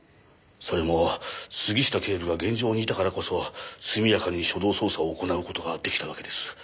それも杉下警部が現場にいたからこそすみやかに初動捜査を行う事が出来たわけです。